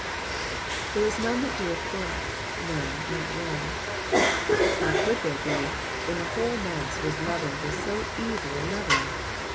^^IViere is none that doeth good, no, not one.^^ How could there be, when the whole mass was leavened with so evil a leaven